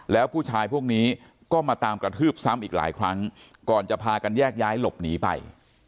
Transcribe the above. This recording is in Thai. แล้วผู้ชายพวกนี้ก็มาตามกระทืบซ้ำอีกหลายครั้งก่อนจะพากันแยกย้ายหลบหนีไป